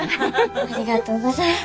ありがとうございます。